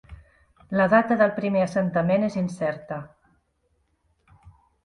La data del primer assentament és incerta.